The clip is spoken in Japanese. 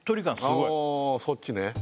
そっちね